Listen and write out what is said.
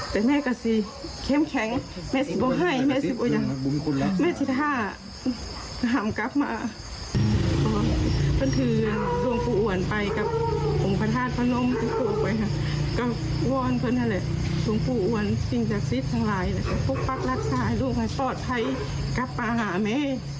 พวกปักรัฐสาหรัฐลูกไงปลอดภัยกรับมาหาแม่